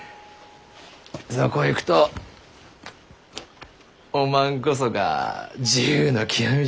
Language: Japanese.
そこいくとおまんこそが自由の極みじゃったのう。